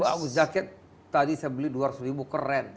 bagus jaket tadi saya beli dua ratus ribu keren